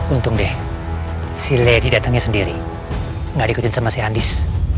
untung deh si lady datangnya sendiri nggak diikutin sama si andis